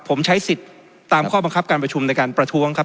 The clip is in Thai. ผมใช้สิทธิ์ตามข้อบังคับการประชุมในการประท้วงครับ